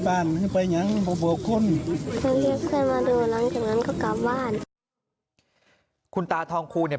มาร่างกันสองคน